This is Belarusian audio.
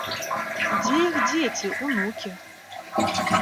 Дзе іх дзеці, унукі?